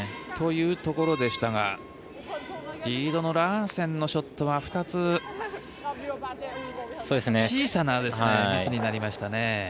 というところでしたがリードのラーセンのショットは２つ、小さなミスになりましたね。